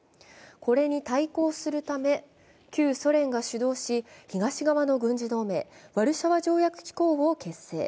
これに対抗するため、旧ソ連が主導し、東側の軍事同盟、ワルシャワ条約機構を結成。